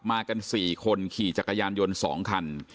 มากัน๔คนขี่จักรยานยนต์๒คัน